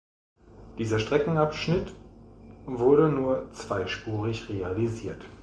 Dieser Streckenabschnitt wurde nur zweispurig realisiert.